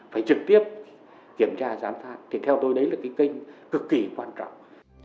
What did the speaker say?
phải trực tiếp kiểm tra giám sát thì theo tôi đấy là cái kênh cực kỳ quan trọng